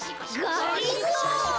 がりぞー！